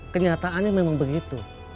kenyataannya memang begitu